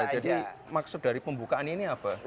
jadi maksud dari pembukaan ini apa